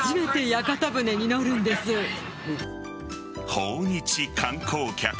訪日観光客。